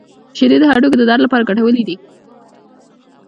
• شیدې د هډوکو د درد لپاره ګټورې دي.